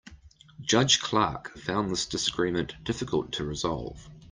Judge Clark found this disagreement difficult to resolve.